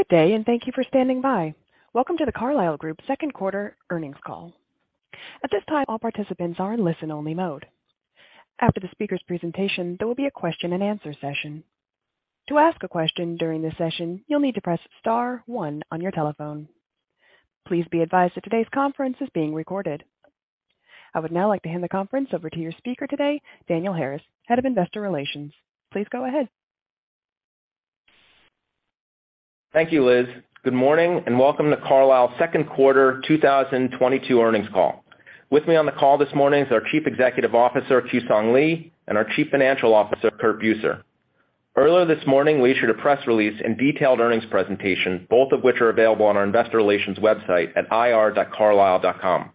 Good day, and thank you for standing by. Welcome to The Carlyle Group's second quarter earnings call. At this time, all participants are in listen-only mode. After the speaker's presentation, there will be a question-and-answer session. To ask a question during this session, you'll need to press star one on your telephone. Please be advised that today's conference is being recorded. I would now like to hand the conference over to your speaker today, Daniel Harris, Head of Investor Relations. Please go ahead. Thank you, Liz. Good morning, and welcome to Carlyle's second quarter 2022 earnings call. With me on the call this morning is our Chief Executive Officer, Kewsong Lee, and our Chief Financial Officer, Curt Buser. Earlier this morning, we issued a press release and detailed earnings presentation, both of which are available on our investor relations website at ir.carlyle.com.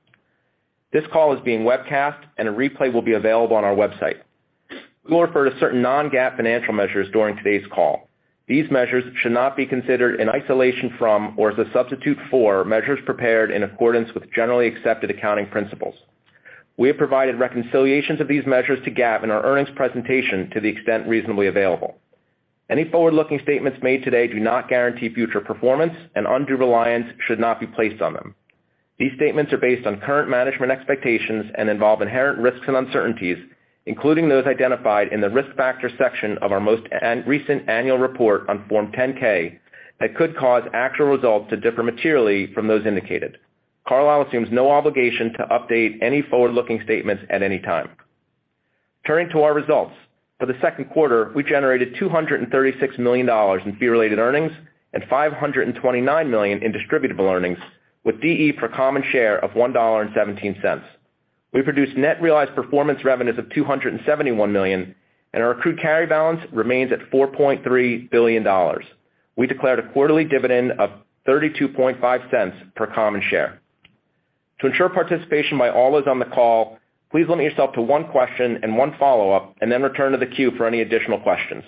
This call is being webcast, and a replay will be available on our website. We will refer to certain non-GAAP financial measures during today's call. These measures should not be considered in isolation from or as a substitute for measures prepared in accordance with generally accepted accounting principles. We have provided reconciliations of these measures to GAAP in our earnings presentation to the extent reasonably available. Any forward-looking statements made today do not guarantee future performance, and undue reliance should not be placed on them. These statements are based on current management expectations and involve inherent risks and uncertainties, including those identified in the risk factors section of our most recent annual report on Form 10-K that could cause actual results to differ materially from those indicated. Carlyle assumes no obligation to update any forward-looking statements at any time. Turning to our results. For the second quarter, we generated $236 million in fee-related earnings and $529 million in distributable earnings, with DE per common share of $1.17. We produced net realized performance revenues of $271 million, and our accrued carry balance remains at $4.3 billion. We declared a quarterly dividend of $0.325 per common share. To ensure participation by all those on the call, please limit yourself to one question and one follow-up, and then return to the queue for any additional questions.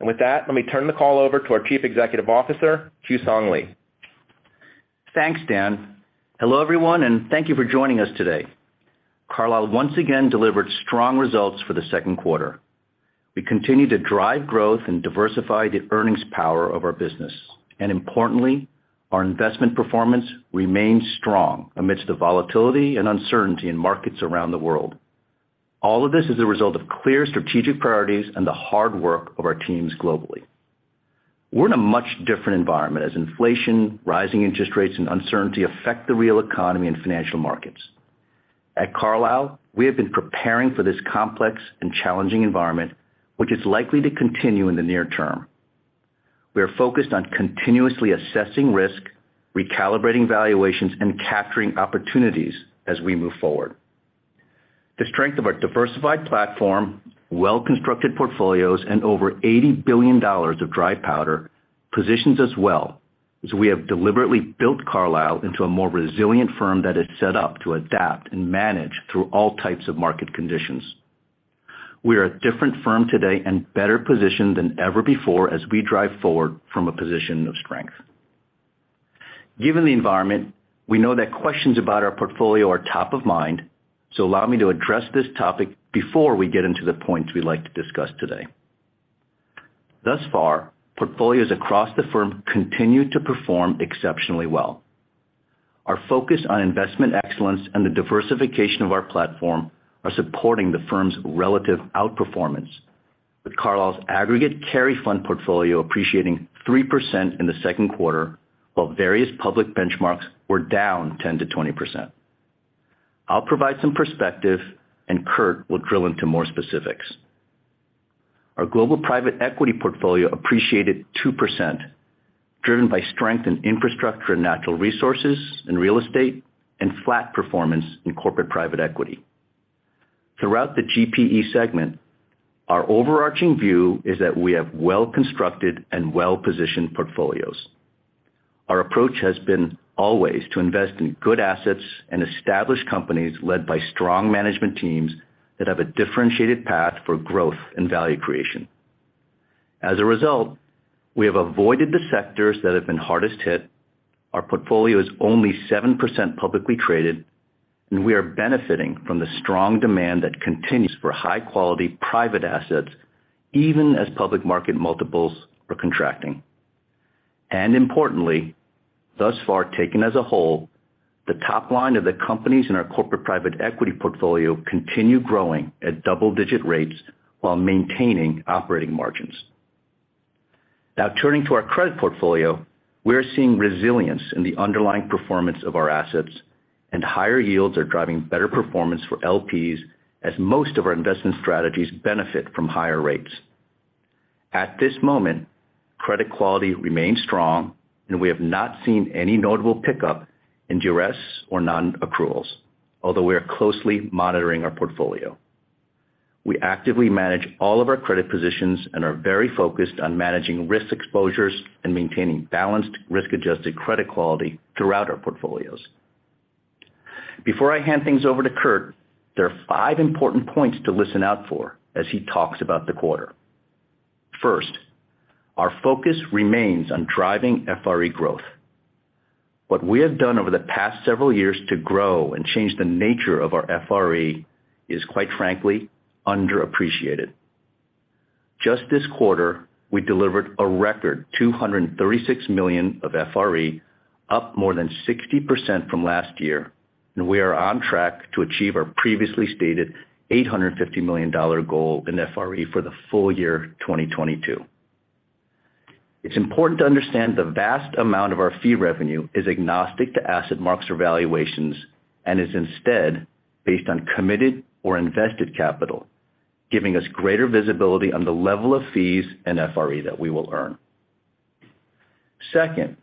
With that, let me turn the call over to our Chief Executive Officer, Kewsong Lee. Thanks, Dan. Hello, everyone, and thank you for joining us today. Carlyle once again delivered strong results for the second quarter. We continue to drive growth and diversify the earnings power of our business. Importantly, our investment performance remains strong amidst the volatility and uncertainty in markets around the world. All of this is a result of clear strategic priorities and the hard work of our teams globally. We're in a much different environment as inflation, rising interest rates, and uncertainty affect the real economy and financial markets. At Carlyle, we have been preparing for this complex and challenging environment, which is likely to continue in the near term. We are focused on continuously assessing risk, recalibrating valuations, and capturing opportunities as we move forward. The strength of our diversified platform, well-constructed portfolios, and over $80 billion of dry powder positions us well as we have deliberately built Carlyle into a more resilient firm that is set up to adapt and manage through all types of market conditions. We are a different firm today and better positioned than ever before as we drive forward from a position of strength. Given the environment, we know that questions about our portfolio are top of mind, so allow me to address this topic before we get into the points we'd like to discuss today. Thus far, portfolios across the firm continue to perform exceptionally well. Our focus on investment excellence and the diversification of our platform are supporting the firm's relative outperformance, with Carlyle's aggregate carry fund portfolio appreciating 3% in the second quarter, while various public benchmarks were down 10%-20%. I'll provide some perspective, and Curt will drill into more specifics. Our global private equity portfolio appreciated 2%, driven by strength in infrastructure and natural resources and real estate and flat performance in corporate private equity. Throughout the GPE segment, our overarching view is that we have well-constructed and well-positioned portfolios. Our approach has been always to invest in good assets and establish companies led by strong management teams that have a differentiated path for growth and value creation. As a result, we have avoided the sectors that have been hardest hit. Our portfolio is only 7% publicly traded, and we are benefiting from the strong demand that continues for high-quality private assets, even as public market multiples are contracting. Importantly, thus far taken as a whole, the top line of the companies in our corporate private equity portfolio continue growing at double-digit rates while maintaining operating margins. Now turning to our credit portfolio. We are seeing resilience in the underlying performance of our assets, and higher yields are driving better performance for LPs as most of our investment strategies benefit from higher rates. At this moment, credit quality remains strong, and we have not seen any notable pickup in duress or non-accruals, although we are closely monitoring our portfolio. We actively manage all of our credit positions and are very focused on managing risk exposures and maintaining balanced risk-adjusted credit quality throughout our portfolios. Before I hand things over to Curt, there are five important points to listen out for as he talks about the quarter. First, our focus remains on driving FRE growth. What we have done over the past several years to grow and change the nature of our FRE is, quite frankly, underappreciated. Just this quarter, we delivered a record $236 million of FRE, up more than 60% from last year, and we are on track to achieve our previously stated $850 million goal in FRE for the full year 2022. It's important to understand the vast amount of our fee revenue is agnostic to asset marks or valuations, and is instead based on committed or invested capital, giving us greater visibility on the level of fees and FRE that we will earn. Second,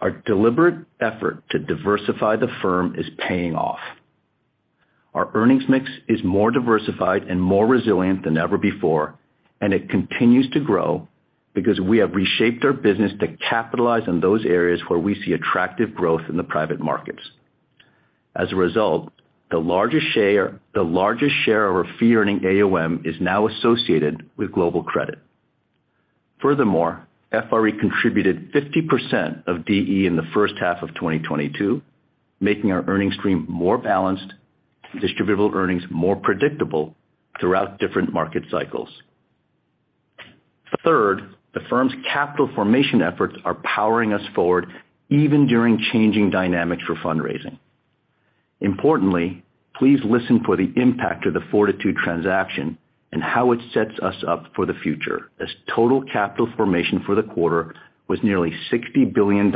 our deliberate effort to diversify the firm is paying off. Our earnings mix is more diversified and more resilient than ever before, and it continues to grow because we have reshaped our business to capitalize on those areas where we see attractive growth in the private markets. As a result, the largest share of our fee-earning AUM is now associated with global credit. Furthermore, FRE contributed 50% of DE in the first half of 2022, making our earnings stream more balanced and distributable earnings more predictable throughout different market cycles. Third, the firm's capital formation efforts are powering us forward even during changing dynamics for fundraising. Importantly, please listen for the impact of the Fortitude transaction and how it sets us up for the future, as total capital formation for the quarter was nearly $60 billion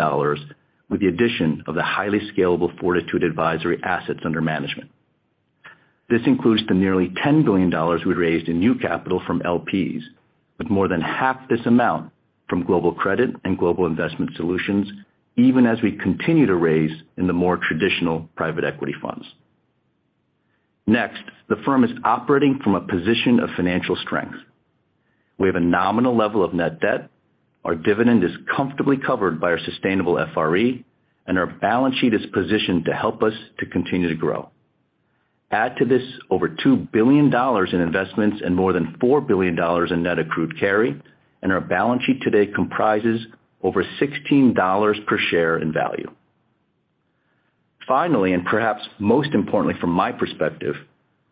with the addition of the highly scalable Fortitude Advisory assets under management. This includes the nearly $10 billion we raised in new capital from LPs, with more than half this amount from Global Credit and Global Investment Solutions, even as we continue to raise in the more traditional private equity funds. Next, the firm is operating from a position of financial strength. We have a nominal level of net debt. Our dividend is comfortably covered by our sustainable FRE, and our balance sheet is positioned to help us to continue to grow. Add to this over $2 billion in investments and more than $4 billion in net accrued carry, and our balance sheet today comprises over $16 per share in value. Finally, and perhaps most importantly from my perspective,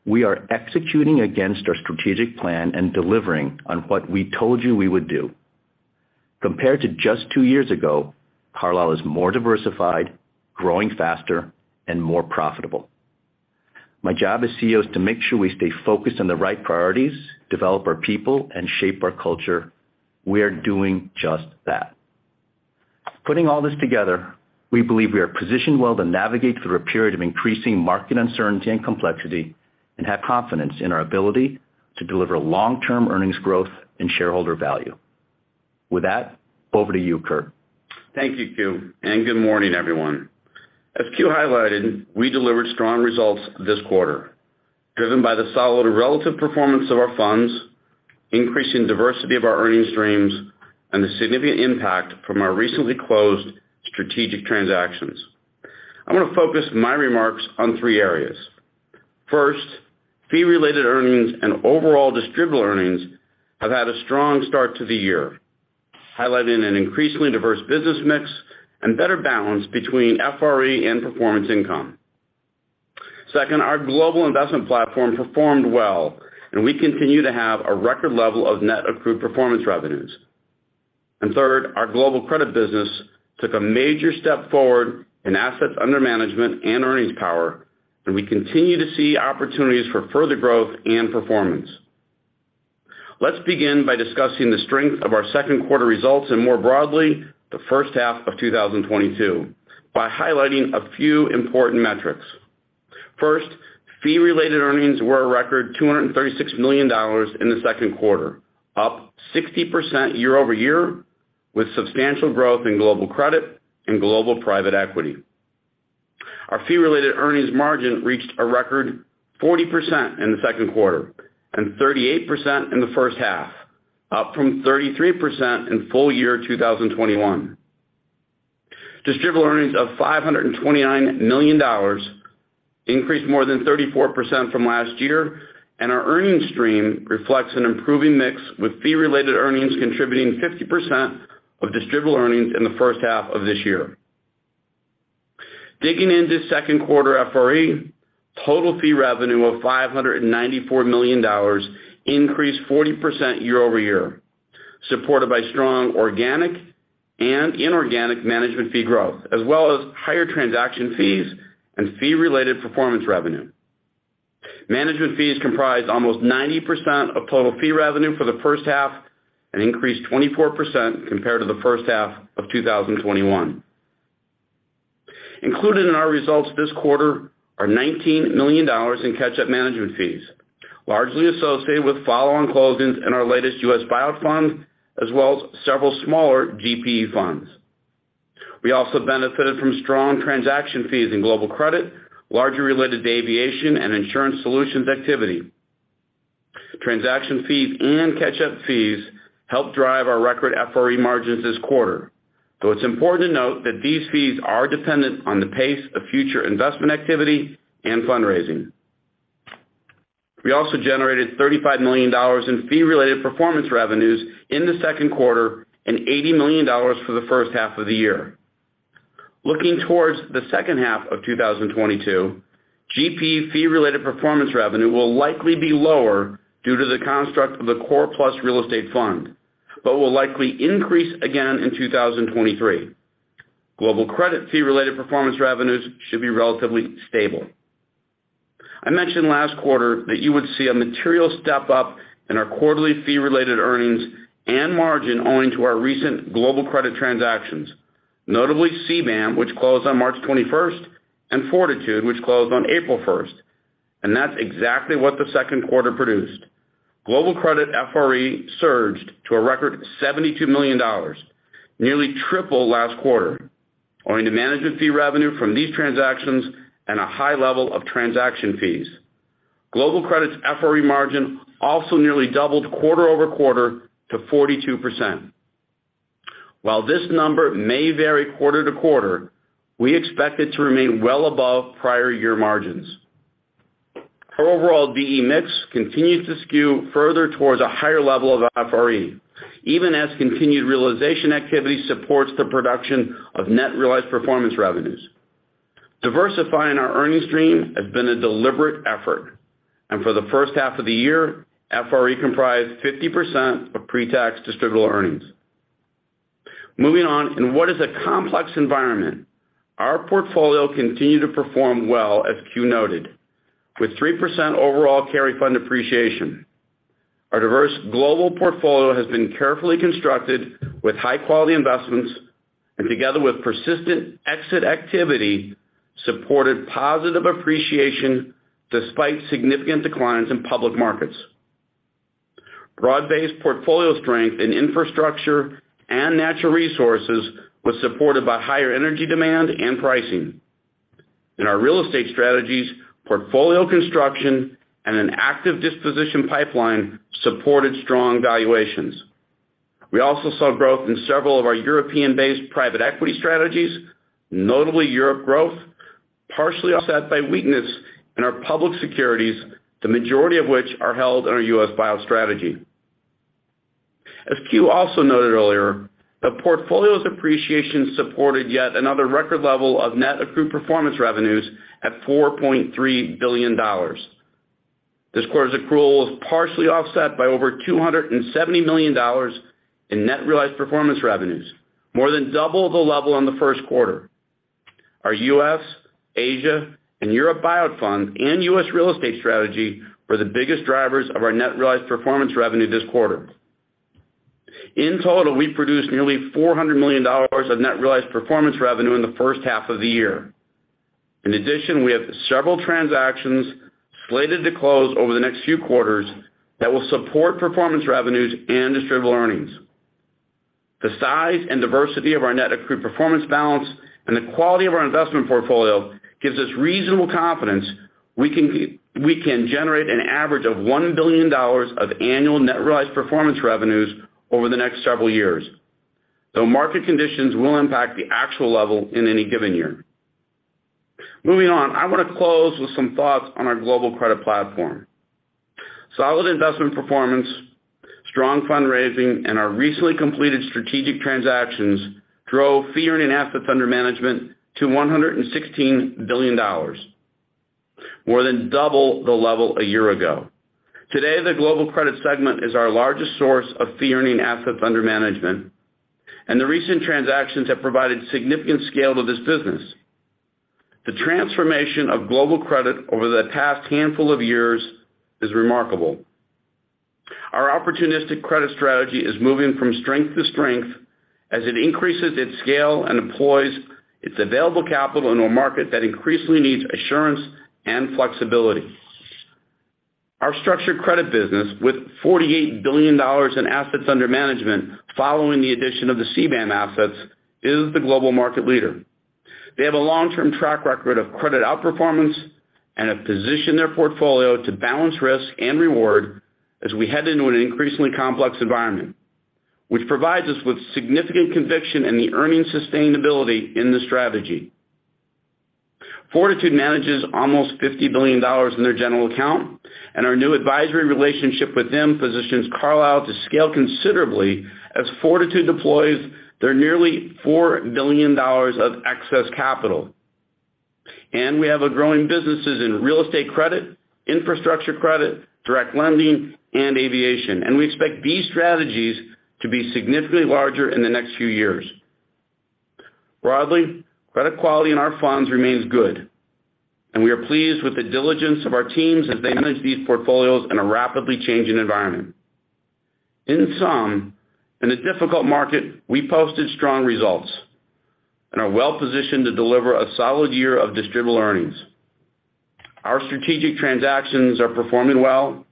we are executing against our strategic plan and delivering on what we told you we would do. Compared to just two years ago, Carlyle is more diversified, growing faster, and more profitable. My job as CEO is to make sure we stay focused on the right priorities, develop our people, and shape our culture. We are doing just that. Putting all this together, we believe we are positioned well to navigate through a period of increasing market uncertainty and complexity, and have confidence in our ability to deliver long-term earnings growth and shareholder value. With that, over to you, Curt. Thank you, Kewsong, and good morning, everyone. As Kewsong highlighted, we delivered strong results this quarter, driven by the solid relative performance of our funds, increasing diversity of our earnings streams, and the significant impact from our recently closed strategic transactions. I'm gonna focus my remarks on three areas. First, fee-related earnings and overall distributable earnings have had a strong start to the year, highlighting an increasingly diverse business mix and better balance between FRE and performance income. Second, our global investment platform performed well, and we continue to have a record level of net accrued performance revenues. Third, our global credit business took a major step forward in assets under management and earnings power, and we continue to see opportunities for further growth and performance. Let's begin by discussing the strength of our second quarter results and more broadly, the first half of 2022, by highlighting a few important metrics. First, fee-related earnings were a record $236 million in the second quarter, up 60% year-over-year, with substantial growth in global credit and global private equity. Our fee-related earnings margin reached a record 40% in the second quarter and 38% in the first half, up from 33% in full year 2021. Distributable earnings of $529 million increased more than 34% from last year, and our earnings stream reflects an improving mix, with fee-related earnings contributing 50% of distributable earnings in the first half of this year. Digging into second quarter FRE, total fee revenue of $594 million increased 40% year-over-year, supported by strong organic and inorganic management fee growth, as well as higher transaction fees and fee-related performance revenue. Management fees comprised almost 90% of total fee revenue for the first half and increased 24% compared to the first half of 2021. Included in our results this quarter are $19 million in catch-up management fees, largely associated with follow-on closings in our latest US buyout fund as well as several smaller GP funds. We also benefited from strong transaction fees in global credit, largely related to aviation and insurance solutions activity. Transaction fees and catch-up fees helped drive our record FRE margins this quarter, though it's important to note that these fees are dependent on the pace of future investment activity and fundraising. We also generated $35 million in fee-related performance revenues in the second quarter and $80 million for the first half of the year. Looking towards the second half of 2022, GP fee related performance revenue will likely be lower due to the construct of the Core Plus real estate fund, but will likely increase again in 2023. Global credit fee-related performance revenues should be relatively stable. I mentioned last quarter that you would see a material step-up in our quarterly fee-related earnings and margin owing to our recent global credit transactions, notably CBAM which closed on March 21, and Fortitude, which closed on April 1. That's exactly what the second quarter produced. Global Credit FRE surged to a record $72 million, nearly triple last quarter, owing to management fee revenue from these transactions and a high level of transaction fees. Global Credit's FRE margin also nearly doubled quarter-over-quarter to 42%. While this number may vary quarter to quarter, we expect it to remain well above prior year margins. Our overall fee mix continues to skew further towards a higher level of FRE, even as continued realization activity supports the production of net realized performance revenues. Diversifying our earnings stream has been a deliberate effort, and for the first half of the year, FRE comprised 50% of pre-tax distributable earnings. Moving on, in what is a complex environment, our portfolio continued to perform well as noted, with 3% overall carry fund appreciation. Our diverse global portfolio has been carefully constructed with high-quality investments and together with persistent exit activity, supported positive appreciation despite significant declines in public markets. Broad-based portfolio strength in infrastructure and natural resources was supported by higher energy demand and pricing. In our real estate strategies, portfolio construction and an active disposition pipeline supported strong valuations. We also saw growth in several of our European-based private equity strategies, notably Europe growth, partially offset by weakness in our public securities, the majority of which are held in our U.S. buyout strategy. As Q also noted earlier, the portfolio's appreciation supported yet another record level of net accrued performance revenues at $4.3 billion. This quarter's accrual was partially offset by over $270 million in net realized performance revenues, more than double the level in the first quarter. Our US, Asia, and Europe buyout funds and US real estate strategy were the biggest drivers of our net realized performance revenue this quarter. In total, we produced nearly $400 million of net realized performance revenue in the first half of the year. In addition, we have several transactions slated to close over the next few quarters that will support performance revenues and distributable earnings. The size and diversity of our net accrued performance balance and the quality of our investment portfolio gives us reasonable confidence we can generate an average of $1 billion of annual net realized performance revenues over the next several years, though market conditions will impact the actual level in any given year. Moving on, I wanna close with some thoughts on our global credit platform. Solid investment performance, strong fundraising, and our recently completed strategic transactions drove fee earning assets under management to $116 billion, more than double the level a year ago. Today, the global credit segment is our largest source of fee earning assets under management, and the recent transactions have provided significant scale to this business. The transformation of global credit over the past handful of years is remarkable. Our opportunistic credit strategy is moving from strength to strength as it increases its scale and employs its available capital in a market that increasingly needs assurance and flexibility. Our structured credit business with $48 billion in assets under management following the addition of the CBAM assets, is the global market leader. They have a long-term track record of credit outperformance and have positioned their portfolio to balance risk and reward as we head into an increasingly complex environment, which provides us with significant conviction in the earnings sustainability in the strategy. Fortitude manages almost $50 billion in their general account, and our new advisory relationship with them positions Carlyle to scale considerably as Fortitude deploys their nearly $4 billion of excess capital. We have a growing businesses in real estate credit, infrastructure credit, direct lending, and aviation, and we expect these strategies to be significantly larger in the next few years. Broadly, credit quality in our funds remains good, and we are pleased with the diligence of our teams as they manage these portfolios in a rapidly changing environment. In sum, in a difficult market, we posted strong results and are well positioned to deliver a solid year of distributable earnings. Our strategic transactions are performing well,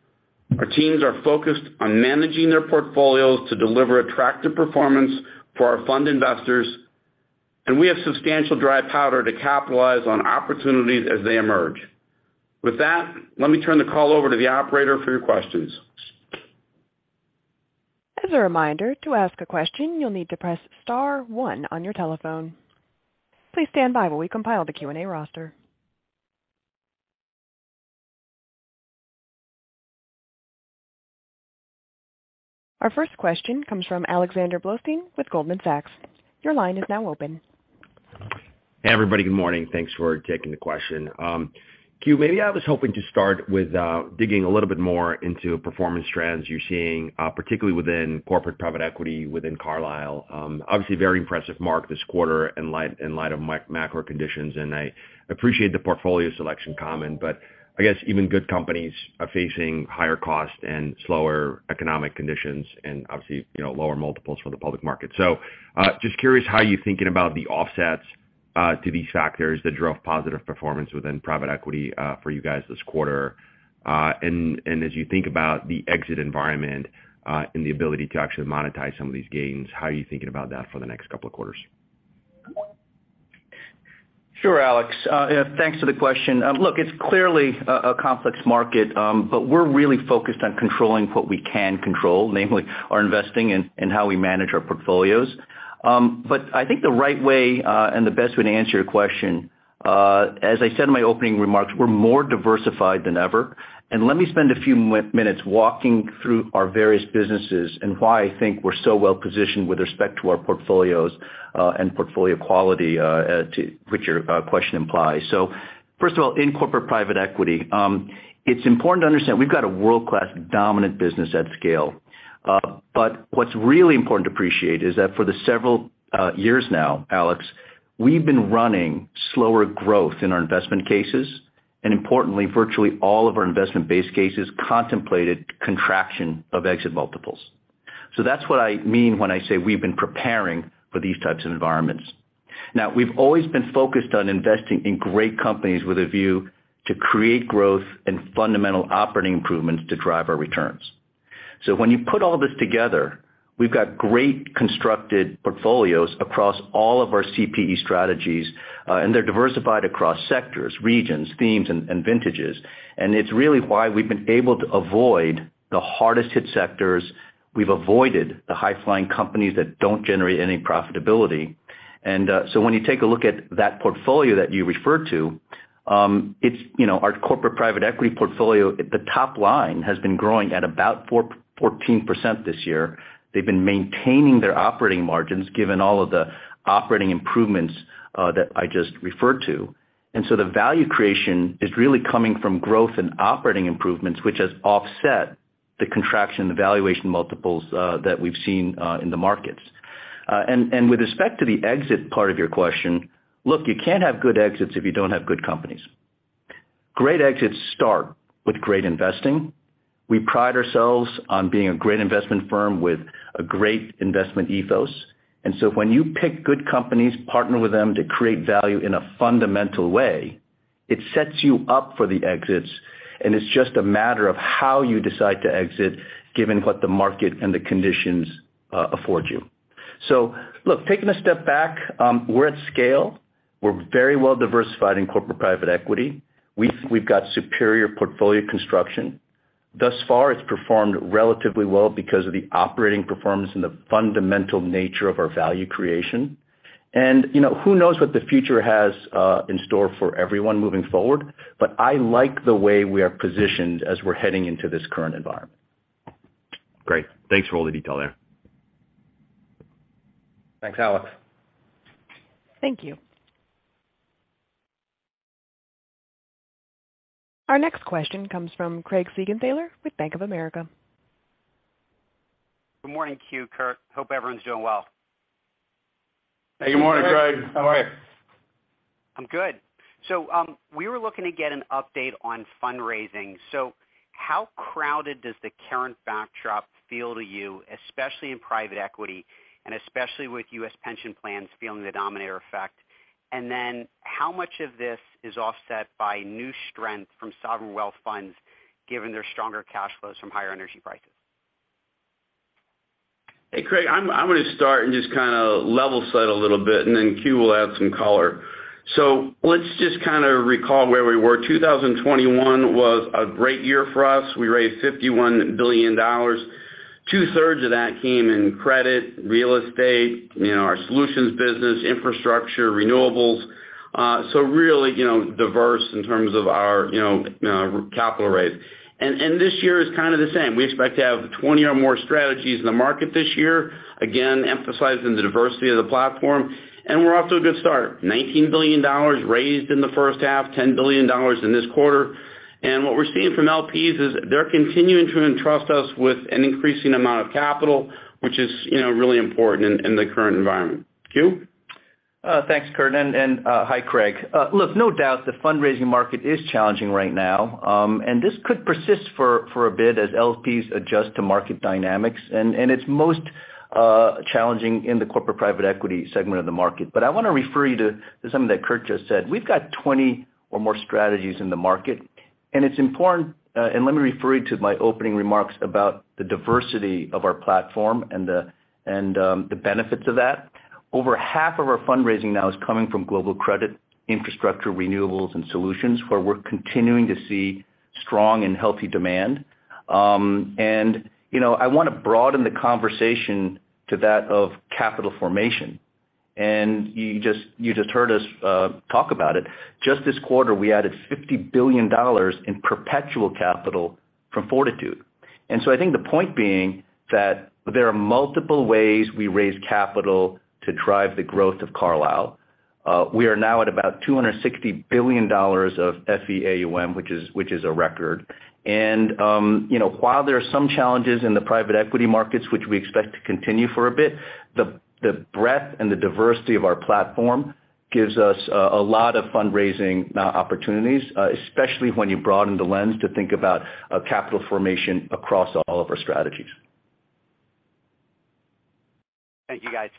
our teams are focused on managing their portfolios to deliver attractive performance for our fund investors, and we have substantial dry powder to capitalize on opportunities as they emerge. With that, let me turn the call over to the operator for your questions. As a reminder, to ask a question, you'll need to press star one on your telephone. Please stand by while we compile the Q&A roster. Our first question comes from Alexander Blostein with Goldman Sachs. Your line is now open. Hey, everybody. Good morning. Thanks for taking the question. Q, maybe I was hoping to start with digging a little bit more into performance trends you're seeing, particularly within corporate private equity within Carlyle. Obviously very impressive mark this quarter in light of macro conditions, and I appreciate the portfolio selection comment, but I guess even good companies are facing higher costs and slower economic conditions and obviously, you know, lower multiples for the public market. Just curious how you're thinking about the offsets to these factors that drove positive performance within private equity for you guys this quarter. And as you think about the exit environment and the ability to actually monetize some of these gains, how are you thinking about that for the next couple of quarters? Sure, Alex, thanks for the question. Look, it's clearly a complex market, but we're really focused on controlling what we can control, namely our investing and how we manage our portfolios. But I think the right way and the best way to answer your question, as I said in my opening remarks, we're more diversified than ever. Let me spend a few minutes walking through our various businesses and why I think we're so well positioned with respect to our portfolios and portfolio quality, to which your question implies. First of all, in corporate private equity, it's important to understand we've got a world-class dominant business at scale. What's really important to appreciate is that for the several years now, Alex, we've been running slower growth in our investment cases, and importantly, virtually all of our investment base cases contemplated contraction of exit multiples. That's what I mean when I say we've been preparing for these types of environments. Now, we've always been focused on investing in great companies with a view to create growth and fundamental operating improvements to drive our returns. When you put all this together, we've got great constructed portfolios across all of our CPE strategies, and they're diversified across sectors, regions, themes, and vintages. It's really why we've been able to avoid the hardest hit sectors. We've avoided the high-flying companies that don't generate any profitability. When you take a look at that portfolio that you referred to, it's, you know, our corporate private equity portfolio, the top line has been growing at about 14% this year. They've been maintaining their operating margins given all of the operating improvements that I just referred to. The value creation is really coming from growth and operating improvements, which has offset the contraction in the valuation multiples that we've seen in the markets. With respect to the exit part of your question, look, you can't have good exits if you don't have good companies. Great exits start with great investing. We pride ourselves on being a great investment firm with a great investment ethos. When you pick good companies, partner with them to create value in a fundamental way, it sets you up for the exits, and it's just a matter of how you decide to exit given what the market and the conditions afford you. Look, taking a step back, we're at scale. We're very well diversified in corporate private equity. We've got superior portfolio construction. Thus far, it's performed relatively well because of the operating performance and the fundamental nature of our value creation. You know, who knows what the future has in store for everyone moving forward, but I like the way we are positioned as we're heading into this current environment. Great. Thanks for all the detail there. Thanks, Alex. Thank you. Our next question comes from Craig Siegenthaler with Bank of America. Good morning, Q, Curt. Hope everyone's doing well. Hey, good morning, Craig. How are you? I'm good. We were looking to get an update on fundraising. How crowded does the current backdrop feel to you, especially in private equity, and especially with U.S. pension plans feeling the denominator effect? How much of this is offset by new strength from sovereign wealth funds, given their stronger cash flows from higher energy prices? Hey, Craig. I'm gonna start and just kinda level set a little bit, and then Q will add some color. Let's just kinda recall where we were. 2021 was a great year for us. We raised $51 billion. Two-thirds of that came in credit, real estate, you know, our solutions business, infrastructure, renewables. Really, you know, diverse in terms of our, you know, capital raise. This year is kinda the same. We expect to have 20 or more strategies in the market this year, again, emphasizing the diversity of the platform, and we're off to a good start. $19 billion raised in the first half, $10 billion in this quarter. What we're seeing from LPs is they're continuing to entrust us with an increasing amount of capital, which is, you know, really important in the current environment. Q? Thanks, Curt, and hi, Craig. Look, no doubt the fundraising market is challenging right now, and this could persist for a bit as LPs adjust to market dynamics. It's most challenging in the corporate private equity segment of the market. I wanna refer you to something that Curt just said. We've got 20 or more strategies in the market, and it's important. Let me refer you to my opening remarks about the diversity of our platform and the benefits of that. Over half of our fundraising now is coming from global credit, infrastructure, renewables, and solutions, where we're continuing to see Strong and healthy demand. You know, I wanna broaden the conversation to that of capital formation. You just heard us talk about it. Just this quarter, we added $50 billion in perpetual capital from Fortitude Re. I think the point being that there are multiple ways we raise capital to drive the growth of Carlyle. We are now at about $260 billion of FEAUM, which is a record. You know, while there are some challenges in the private equity markets, which we expect to continue for a bit, the breadth and the diversity of our platform gives us a lot of fundraising opportunities, especially when you broaden the lens to think about capital formation across all of our strategies. Thank you, guys.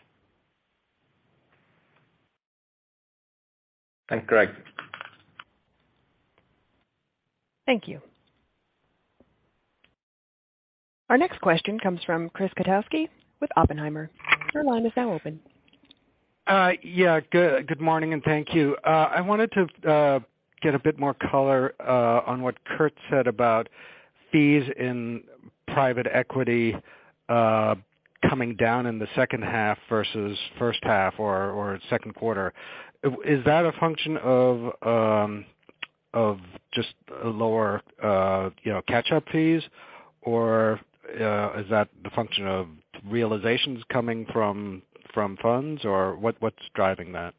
Thanks, Greg. Thank you. Our next question comes from Chris Kotowski with Oppenheimer. Your line is now open. Yeah, good morning, and thank you. I wanted to get a bit more color on what Curt said about fees in private equity coming down in the second half versus first half or second quarter. Is that a function of just lower, you know, catch-up fees? Or is that the function of realizations coming from funds? Or what's driving that?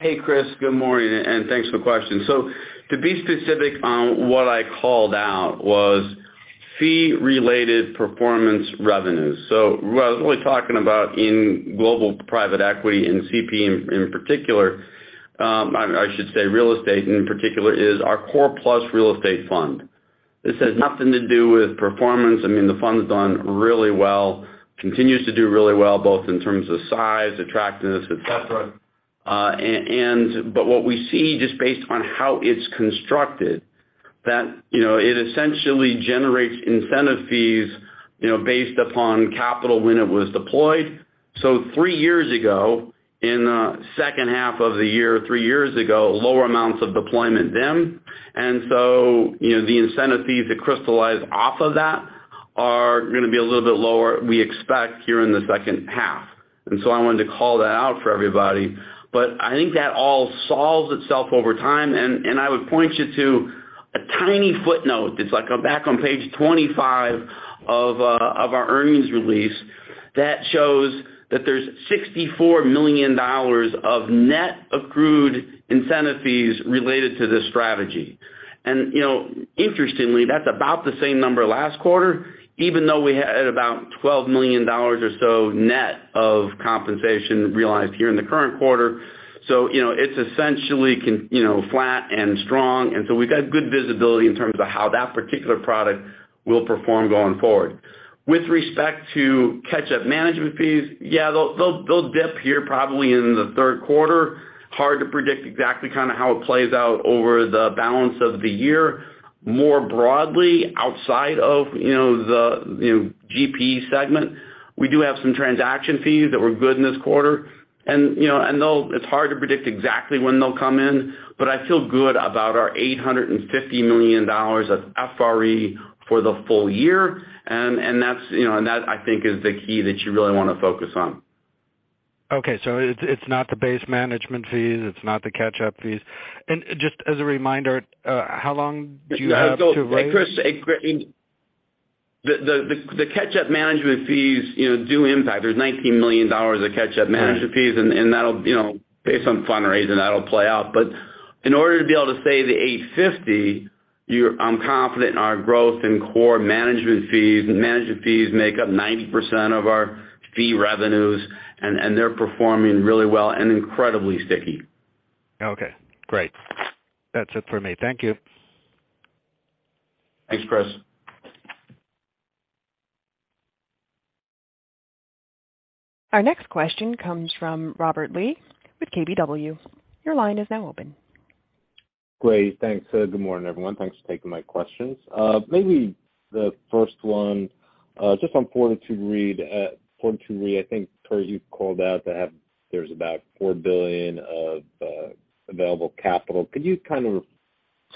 Hey, Chris, good morning, and thanks for the question. To be specific on what I called out was fee-related performance revenues. What I was really talking about in global private equity and CP in particular, I should say real estate in particular is our Core Plus real estate fund. This has nothing to do with performance. I mean, the fund's done really well. Continues to do really well, both in terms of size, attractiveness, et cetera. But what we see just based on how it's constructed, that, you know, it essentially generates incentive fees, you know, based upon capital when it was deployed. Three years ago, in second half of the year, lower amounts of deployment then. You know, the incentive fees that crystallize off of that are gonna be a little bit lower, we expect here in the second half. I wanted to call that out for everybody. I think that all solves itself over time. I would point you to a tiny footnote. It's like back on page 25 of our earnings release that shows that there's $64 million of net accrued incentive fees related to this strategy. You know, interestingly, that's about the same number last quarter, even though we had about $12 million or so net of compensation realized here in the current quarter. You know, it's essentially you know, flat and strong, and so we've got good visibility in terms of how that particular product will perform going forward. With respect to catch-up management fees, yeah, they'll dip here probably in the third quarter. Hard to predict exactly kinda how it plays out over the balance of the year. More broadly, outside of, you know, the GP segment, we do have some transaction fees that were good in this quarter. You know, they'll. It's hard to predict exactly when they'll come in, but I feel good about our $850 million of FRE for the full year, and that's, you know, that, I think, is the key that you really wanna focus on. Okay, it's not the base management fees, it's not the catch-up fees. Just as a reminder, how long do you have to raise? Chris, the catch-up management fees, you know, do impact. There's $19 million of catch-up management fees, and that'll, you know, based on fundraising, that'll play out. But in order to be able to say the $850, I'm confident in our growth in core management fees. Management fees make up 90% of our fee revenues, and they're performing really well and incredibly sticky. Okay, great. That's it for me. Thank you. Thanks, Chris. Our next question comes from Robert Lee with KBW. Your line is now open. Great. Thanks. Good morning, everyone. Thanks for taking my questions. Maybe the first one, just on Fortitude Re. Fortitude Re, I think, Curt, you called out that there's about $4 billion of available capital.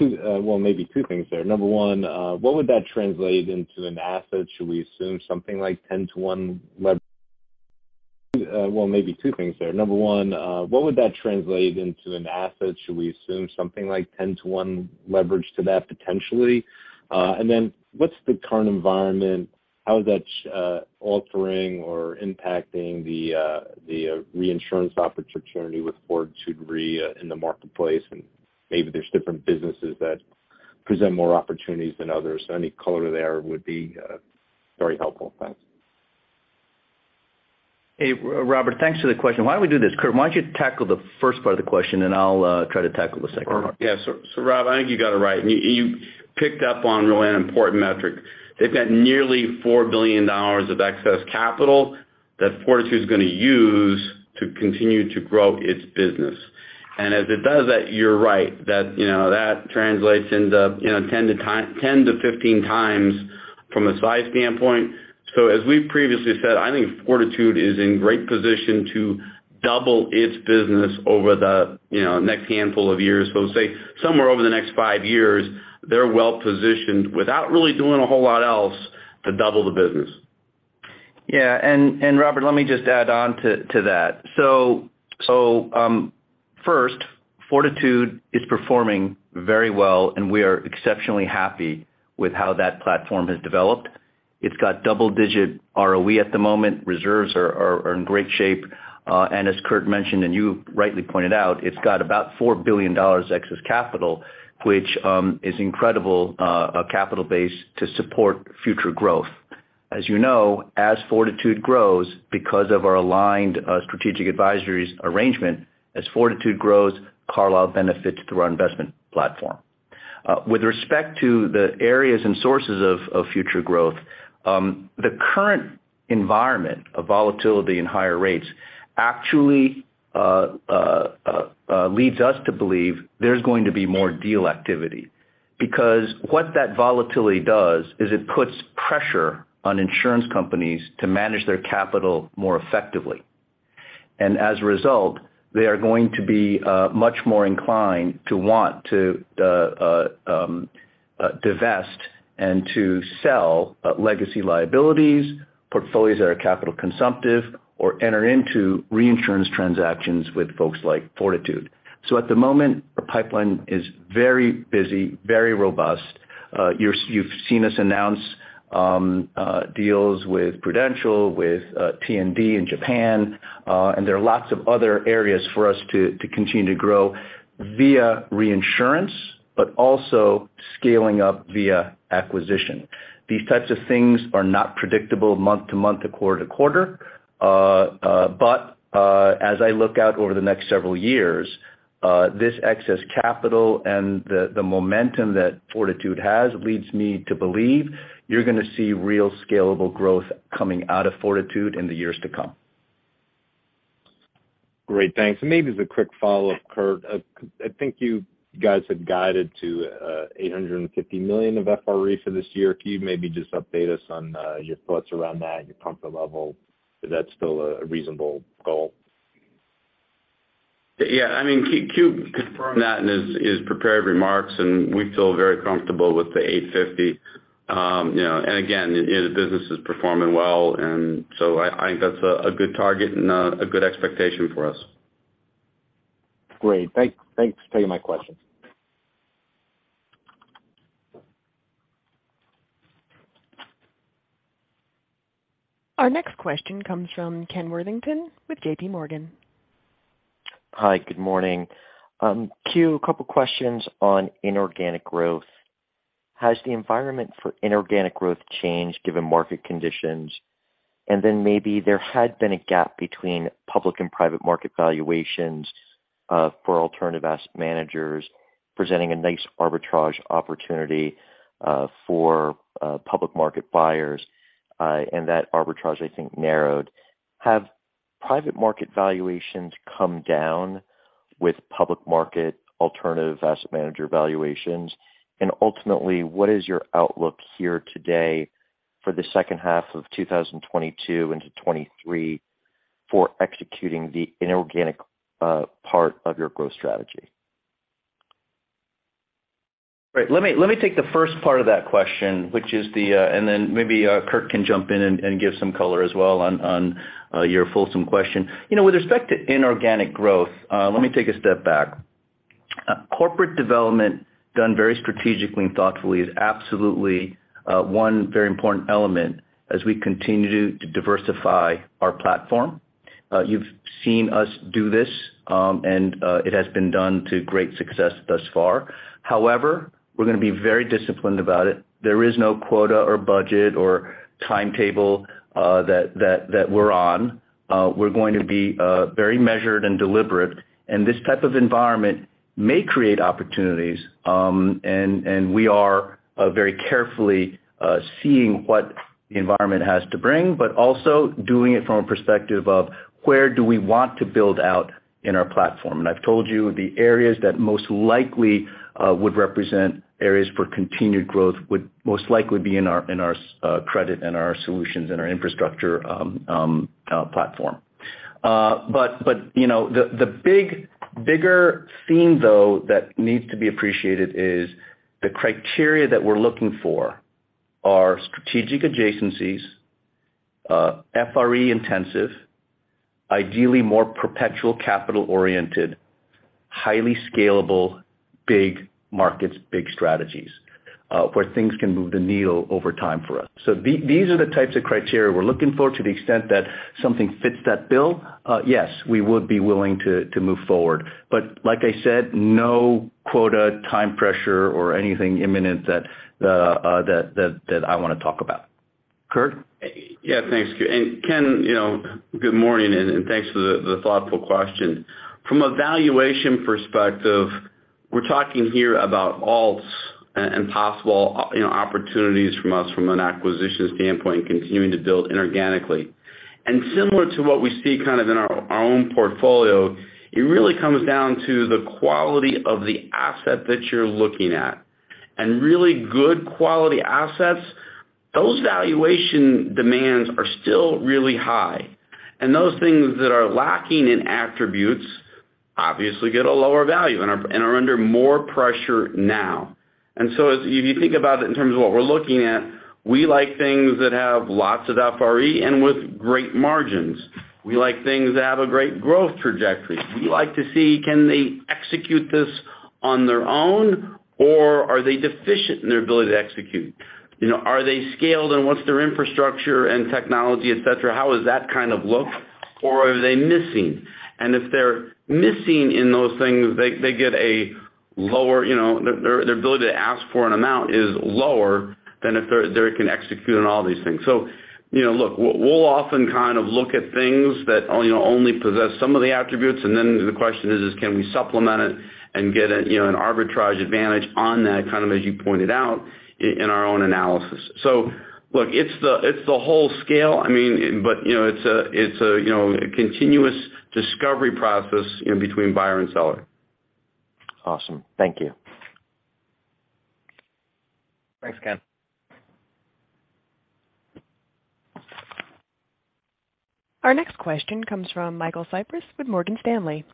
Well, maybe two things there. Number one, what would that translate into an asset? Should we assume something like 10-to-1 leverage to that potentially? And then what's the current environment? How is that altering or impacting the reinsurance opportunity with Fortitude Re in the marketplace? And maybe there's different businesses that present more opportunities than others. So any color there would be very helpful. Thanks. Hey, Robert, thanks for the question. Why don't we do this? Curt, why don't you tackle the first part of the question, and I'll try to tackle the second part. Yeah. Rob, I think you got it right. You picked up on really an important metric. They've got nearly $4 billion of excess capital that Fortitude Re's gonna use to continue to grow its business. As it does that, you're right, you know, that translates into, you know, 10-15 times from a size standpoint. As we've previously said, I think Fortitude Re is in great position to double its business over the, you know, next handful of years. Say somewhere over the next 5 years, they're well-positioned without really doing a whole lot else to double the business. Yeah. Robert, let me just add on to that. First, Fortitude is performing very well, and we are exceptionally happy with how that platform has developed. It's got double-digit ROE at the moment. Reserves are in great shape. As Curt mentioned, and you rightly pointed out, it's got about $4 billion excess capital, which is incredible capital base to support future growth. As you know, as Fortitude grows, because of our aligned strategic advisories arrangement, as Fortitude grows, Carlyle benefits through our investment platform. With respect to the areas and sources of future growth, the current environment of volatility and higher rates actually leads us to believe there's going to be more deal activity. Because what that volatility does is it puts pressure on insurance companies to manage their capital more effectively. As a result, they are going to be much more inclined to want to divest and to sell legacy liabilities, portfolios that are capital consumptive or enter into reinsurance transactions with folks like Fortitude. At the moment, the pipeline is very busy, very robust. You've seen us announce deals with Prudential, with T&D in Japan, and there are lots of other areas for us to continue to grow via reinsurance, but also scaling up via acquisition. These types of things are not predictable month to month or quarter to quarter. As I look out over the next several years, this excess capital and the momentum that Fortitude has leads me to believe you're gonna see real scalable growth coming out of Fortitude in the years to come. Great. Thanks. Maybe as a quick follow-up, Curt, I think you guys had guided to $850 million of FRE for this year. Can you maybe just update us on your thoughts around that and your comfort level? Is that still a reasonable goal? I mean, Q2 confirmed that in his prepared remarks, and we feel very comfortable with the $850. You know, and again, the business is performing well, and so I think that's a good target and a good expectation for us. Great. Thanks for taking my questions. Our next question comes from Ken Worthington with J.P. Morgan. Hi, good morning. I have a couple questions on inorganic growth. Has the environment for inorganic growth changed given market conditions? Maybe there had been a gap between public and private market valuations for alternative asset managers presenting a nice arbitrage opportunity for public market buyers, and that arbitrage, I think, narrowed. Have private market valuations come down with public market alternative asset manager valuations? Ultimately, what is your outlook here today for the second half of 2022 into 2023 for executing the inorganic part of your growth strategy? Right. Let me take the first part of that question, which is the. Then maybe Curt can jump in and give some color as well on your fulsome question. You know, with respect to inorganic growth, let me take a step back. Corporate development done very strategically and thoughtfully is absolutely one very important element as we continue to diversify our platform. You've seen us do this, and it has been done to great success thus far. However, we're gonna be very disciplined about it. There is no quota or budget or timetable that we're on. We're going to be very measured and deliberate, and this type of environment may create opportunities. We are very carefully seeing what the environment has to bring, but also doing it from a perspective of where do we want to build out in our platform. I've told you the areas that most likely would represent areas for continued growth would most likely be in our credit and our solutions and our infrastructure platform. You know, the bigger theme though that needs to be appreciated is the criteria that we're looking for are strategic adjacencies, FRE intensive, ideally more perpetual capital oriented, highly scalable, big markets, big strategies, where things can move the needle over time for us. These are the types of criteria we're looking for. To the extent that something fits that bill, yes, we would be willing to move forward. Like I said, no quota, time pressure or anything imminent that I wanna talk about. Curt? Yeah, thanks, Q. Ken, you know, good morning, and thanks for the thoughtful question. From a valuation perspective, we're talking here about alts and possible, you know, opportunities for us from an acquisition standpoint, continuing to build inorganically. Similar to what we see kind of in our own portfolio, it really comes down to the quality of the asset that you're looking at. Really good quality assets, those valuation demands are still really high. Those things that are lacking in attributes obviously get a lower value and are under more pressure now. If you think about it in terms of what we're looking at, we like things that have lots of FRE and with great margins. We like things that have a great growth trajectory. We like to see can they execute this on their own or are they deficient in their ability to execute? You know, are they scaled and what's their infrastructure and technology, et cetera? How does that kind of look or are they missing? If they're missing in those things, they get a lower, you know. Their ability to ask for an amount is lower than if they can execute on all these things. You know, look, we'll often kind of look at things that, you know, only possess some of the attributes, and then the question is can we supplement it and get a, you know, an arbitrage advantage on that, kind of as you pointed out in our own analysis. Look, it's the whole scale. I mean, but, you know, it's a, you know, a continuous discovery process in between buyer and seller. Awesome. Thank you. Thanks, Ken. Our next question comes from Michael Cyprys with Morgan Stanley.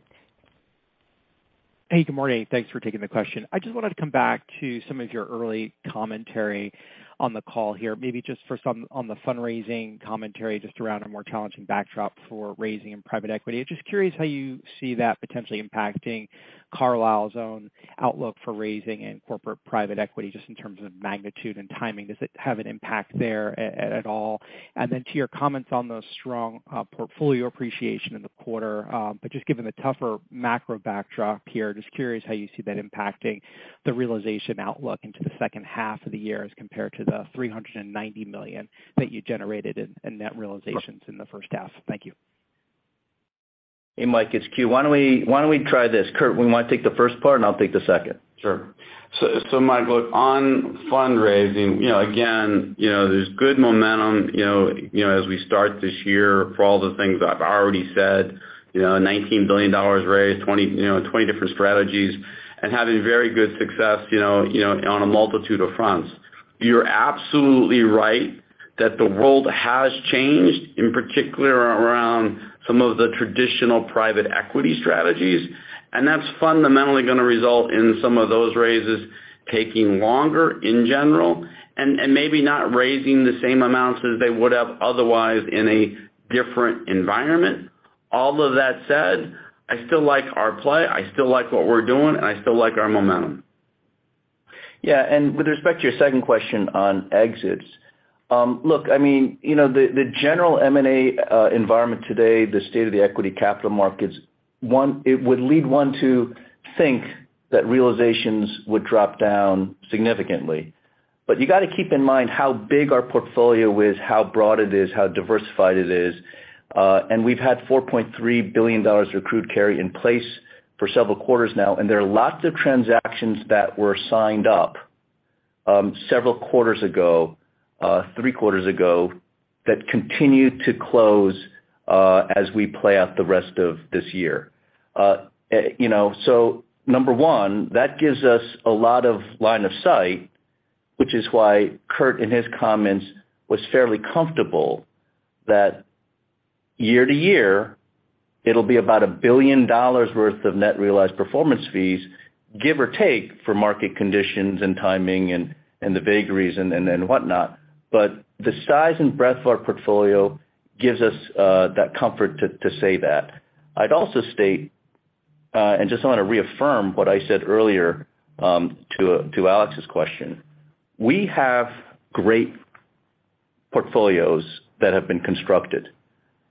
Hey, good morning. Thanks for taking the question. I just wanted to come back to some of your early commentary on the call here. Maybe just first on the fundraising commentary, just around a more challenging backdrop for raising in private equity. Just curious how you see that potentially impacting Carlyle's own outlook for raising in corporate private equity, just in terms of magnitude and timing. Does it have an impact there at all? Then to your comments on the strong portfolio appreciation in the quarter, but just given the tougher macro backdrop here, just curious how you see that impacting the realization outlook into the second half of the year as compared to the $390 million that you generated in net realizations in the first half. Thank you. Hey, Mike, it's Q. Why don't we try this? Curt, you want to take the first part and I'll take the second? Sure. Michael, on fundraising, you know, again, you know, there's good momentum, you know, you know, as we start this year for all the things I've already said. You know, $19 billion raised, 20 different strategies and having very good success, you know, you know, on a multitude of fronts. You're absolutely right that the world has changed, in particular around some of the traditional private equity strategies. That's fundamentally gonna result in some of those raises taking longer in general and maybe not raising the same amounts as they would have otherwise in a different environment. All of that said, I still like our play, I still like what we're doing, and I still like our momentum. Yeah. With respect to your second question on exits, look, I mean, you know, the general M&A environment today, the state of the equity capital markets, it would lead one to think that realizations would drop down significantly. You gotta keep in mind how big our portfolio is, how broad it is, how diversified it is. We've had $4.3 billion of accrued carry in place for several quarters now, and there are lots of transactions that were signed up, several quarters ago, three quarters ago, that continue to close, as we play out the rest of this year. You know, number one, that gives us a lot of line of sight, which is why Curt in his comments was fairly comfortable that year-over-year, it'll be about $1 billion worth of net realized performance fees, give or take for market conditions and timing and the vagaries and whatnot. The size and breadth of our portfolio gives us that comfort to say that. I'd also state and just wanna reaffirm what I said earlier to Alex's question. We have great portfolios that have been constructed,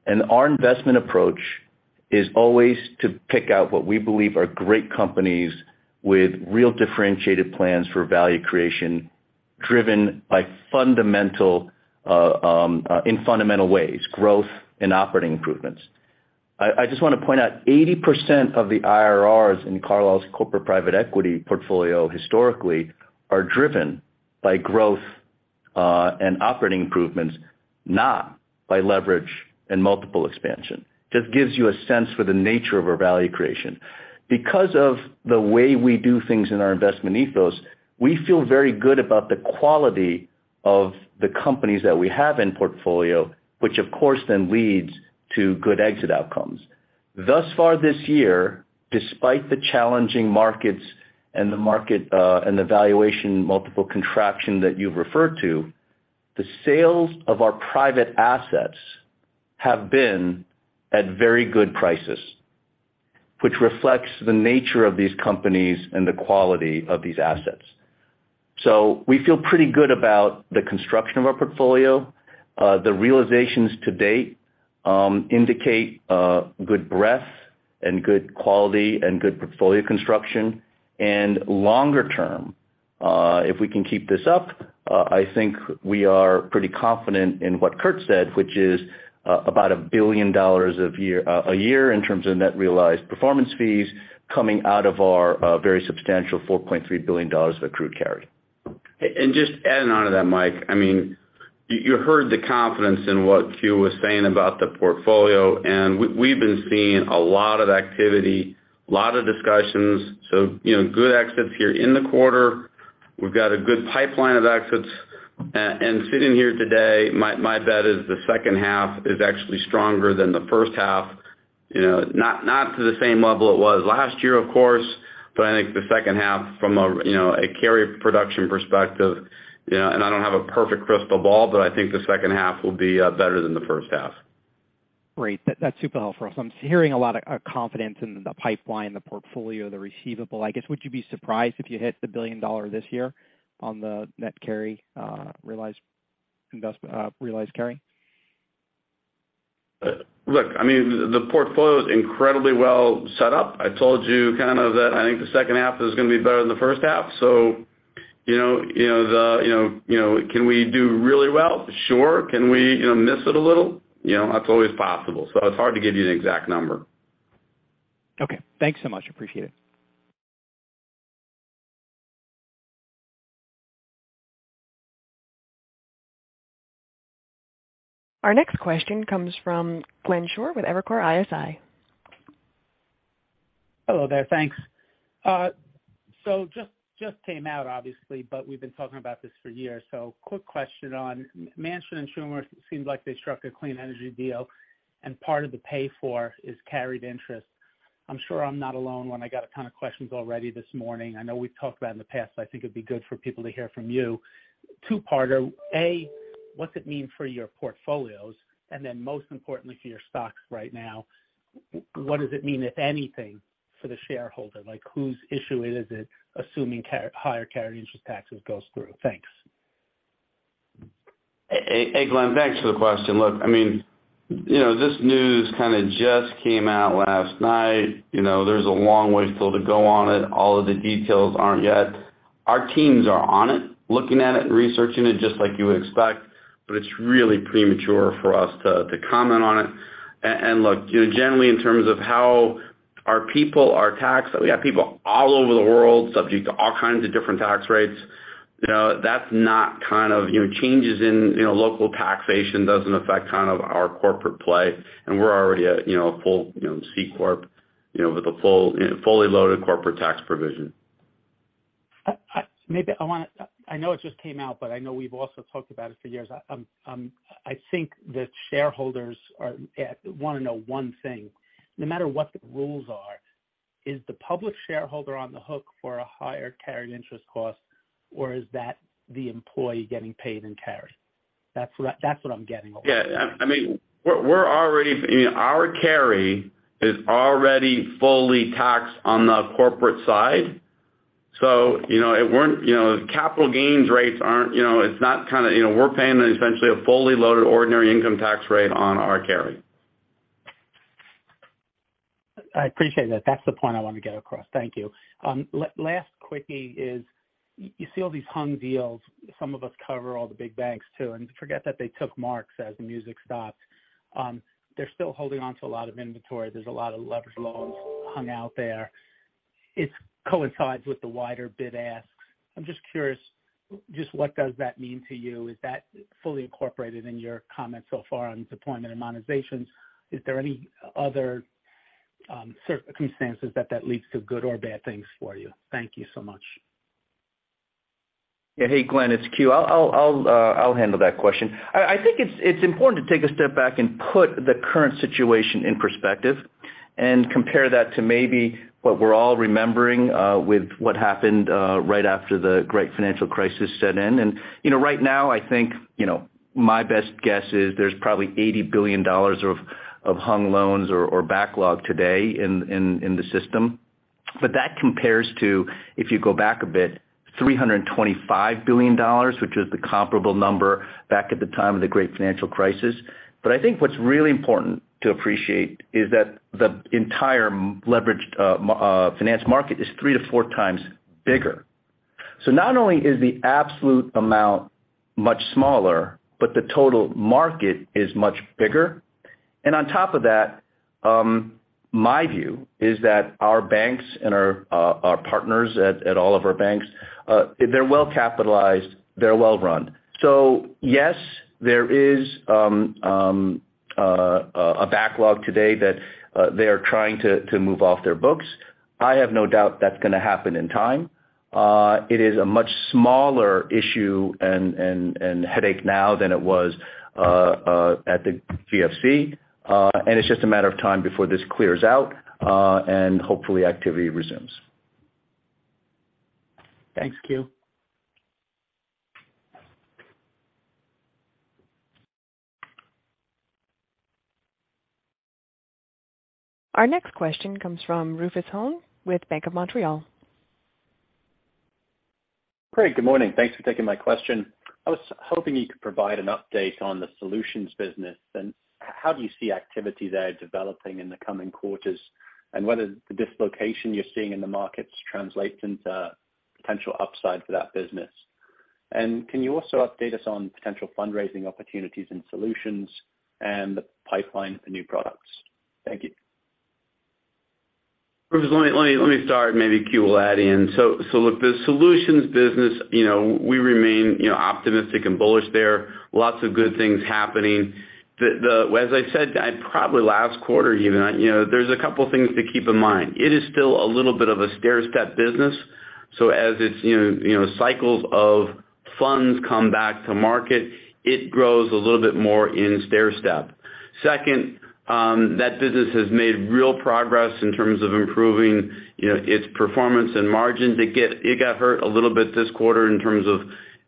and our investment approach is always to pick out what we believe are great companies with real differentiated plans for value creation, driven by in fundamental ways, growth and operating improvements. I just wanna point out, 80% of the IRRs in Carlyle's corporate private equity portfolio historically are driven by growth and operating improvements, not by leverage and multiple expansion. Just gives you a sense for the nature of our value creation. Because of the way we do things in our investment ethos, we feel very good about the quality of the companies that we have in portfolio, which of course then leads to good exit outcomes. Thus far this year, despite the challenging markets and the market and the valuation multiple contraction that you've referred to, the sales of our private assets have been at very good prices, which reflects the nature of these companies and the quality of these assets. We feel pretty good about the construction of our portfolio. The realizations to date indicate good breadth and good quality and good portfolio construction. Longer term, if we can keep this up, I think we are pretty confident in what Curt said, which is about $1 billion a year in terms of net realized performance fees coming out of our very substantial $4.3 billion of accrued carry. Just adding on to that, Mike, I mean, you heard the confidence in what Q was saying about the portfolio, and we've been seeing a lot of activity, lot of discussions. You know, good exits here in the quarter. We've got a good pipeline of exits. Sitting here today, my bet is the second half is actually stronger than the first half. You know, not to the same level it was last year, of course, but I think the second half from a you know, carry production perspective, you know, and I don't have a perfect crystal ball, but I think the second half will be better than the first half. Great. That's super helpful. I'm hearing a lot of confidence in the pipeline, the portfolio, the receivable. I guess, would you be surprised if you hit $1 billion this year on the net carry, realized carry? Look, I mean, the portfolio is incredibly well set up. I told you kind of that I think the second half is gonna be better than the first half. You know, can we do really well? Sure. Can we, you know, miss it a little? You know, that's always possible. It's hard to give you an exact number. Okay. Thanks so much. Appreciate it. Our next question comes from Glenn Schorr with Evercore ISI. Hello there. Thanks. Just came out obviously, but we've been talking about this for years. Quick question on Manchin and Schumer. Seemed like they struck a clean energy deal and part of the pay for is carried interest. I'm sure I'm not alone when I got a ton of questions already this morning. I know we've talked about in the past. I think it'd be good for people to hear from you. Two-parter. A, what's it mean for your portfolios? And then most importantly for your stocks right now, what does it mean, if anything, for the shareholder? Like whose issue is it, assuming higher carried interest taxes goes through? Thanks. Hey, Glenn, thanks for the question. Look, I mean, you know, this news kind of just came out last night. You know, there's a long way still to go on it. All of the details aren't yet. Our teams are on it, looking at it and researching it just like you would expect, but it's really premature for us to comment on it. And look, you know, generally in terms of how our people are taxed, we have people all over the world subject to all kinds of different tax rates. You know, that's not kind of. You know, changes in local taxation doesn't affect kind of our corporate play, and we're already at a full C corp with a full fully loaded corporate tax provision. Maybe I wanna. I know it just came out, but I know we've also talked about it for years. I think the shareholders wanna know one thing. No matter what the rules are, is the public shareholder on the hook for a higher carried interest cost, or is that the employee getting paid in carry? That's what I'm getting at. Yeah. I mean, our carry is already fully taxed on the corporate side. You know, capital gains rates aren't, you know, it's not kinda. You know, we're paying essentially a fully loaded ordinary income tax rate on our carry. I appreciate that. That's the point I wanted to get across. Thank you. Last quickie is you see all these hung deals. Some of us cover all the big banks too, and forget that they took marks as the music stopped. They're still holding on to a lot of inventory. There's a lot of leverage loans hung out there. It coincides with the wider bid-asks. I'm just curious, just what does that mean to you? Is that fully incorporated in your comments so far on deployment and monetizations? Is there any other circumstances that leads to good or bad things for you? Thank you so much. Yeah. Hey, Glenn, it's Q. I'll handle that question. I think it's important to take a step back and put the current situation in perspective and compare that to maybe what we're all remembering with what happened right after the great financial crisis set in. You know, right now, I think, you know, my best guess is there's probably $80 billion of hung loans or backlog today in the system. That compares to, if you go back a bit, $325 billion, which is the comparable number back at the time of the great financial crisis. I think what's really important to appreciate is that the entire leveraged finance market is 3-4 times bigger. Not only is the absolute amount much smaller, but the total market is much bigger. On top of that, my view is that our banks and our partners at all of our banks, they're well capitalized, they're well run. Yes, there is a backlog today that they are trying to move off their books. I have no doubt that's gonna happen in time. It is a much smaller issue and headache now than it was at the GFC. It's just a matter of time before this clears out, and hopefully activity resumes. Thanks, Q. Our next question comes from Rufus Hone with Bank of Montreal. Great. Good morning. Thanks for taking my question. I was hoping you could provide an update on the solutions business and how do you see activity there developing in the coming quarters, and whether the dislocation you're seeing in the markets translates into potential upside for that business. Can you also update us on potential fundraising opportunities and solutions and the pipeline for new products? Thank you. Rufus, let me start, maybe Q will add in. Look, the solutions business, you know, we remain, you know, optimistic and bullish there. Lots of good things happening. As I said, probably last quarter even, you know, there's a couple things to keep in mind. It is still a little bit of a stair-step business, so as it's, you know, cycles of funds come back to market, it grows a little bit more in stair-step. Second, that business has made real progress in terms of improving, you know, its performance and margin. It got hurt a little bit this quarter in terms of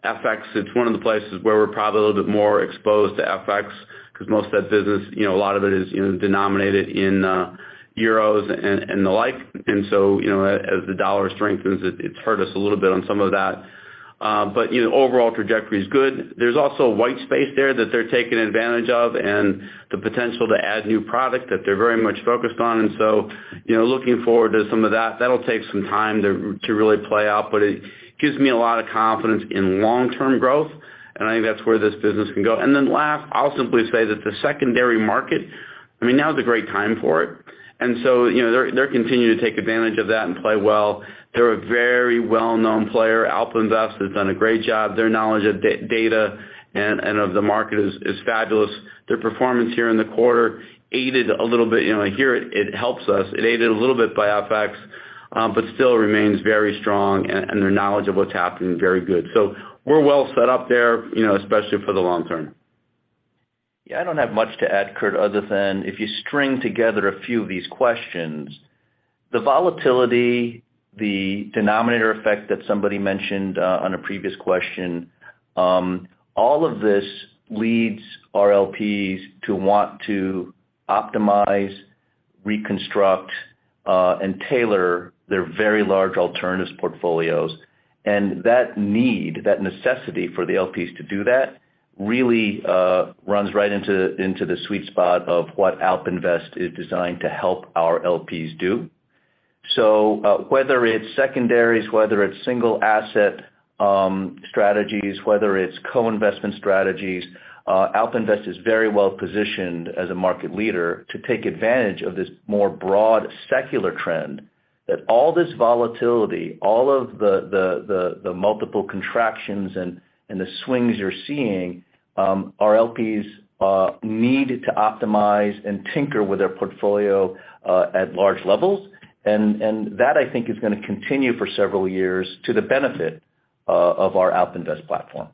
FX. It's one of the places where we're probably a little bit more exposed to FX because most of that business, you know, a lot of it is, you know, denominated in euros and the like. As the dollar strengthens, it's hurt us a little bit on some of that. But, you know, overall trajectory is good. There's also white space there that they're taking advantage of and the potential to add new product that they're very much focused on. You know, looking forward to some of that. That'll take some time to really play out, but it gives me a lot of confidence in long-term growth, and I think that's where this business can go. Last, I'll simply say that the secondary market, I mean, now is a great time for it. You know, they're continuing to take advantage of that and play well. They're a very well-known player. AlpInvest Partners has done a great job. Their knowledge of data and of the market is fabulous. Their performance here in the quarter added a little bit. You know, here it helps us. It added a little bit by FX, but still remains very strong and their knowledge of what's happening, very good. We're well set up there, you know, especially for the long term. Yeah, I don't have much to add, Curt, other than if you string together a few of these questions, the volatility, the denominator effect that somebody mentioned on a previous question, all of this leads our LPs to want to optimize, reconstruct, and tailor their very large alternatives portfolios. That need, that necessity for the LPs to do that really runs right into the sweet spot of what AlpInvest Partners is designed to help our LPs do. Whether it's secondaries, whether it's single asset strategies, whether it's co-investment strategies, AlpInvest Partners is very well positioned as a market leader to take advantage of this more broad secular trend that all this volatility, all of the multiple contractions and the swings you're seeing, our LPs need to optimize and tinker with their portfolio at large levels. That, I think, is gonna continue for several years to the benefit of our AlpInvest Partners platform.